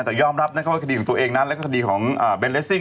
แต่ยอมรับคดีของตัวเองและคดีของเบนเลสซิ่ง